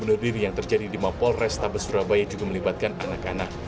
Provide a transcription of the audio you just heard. bunuh diri yang terjadi di mapol restabes surabaya juga melibatkan anak anak